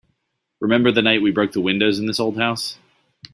Remember the night we broke the windows in this old house?